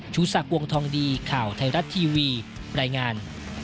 ชูศักดิ์วงทองดีข่าวไทยรัฐทีวีรายงาน